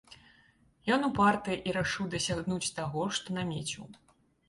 Ён упарты і рашыў дасягнуць таго, што намеціў.